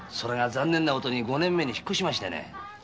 残念なことに五年前に引っ越しましてね。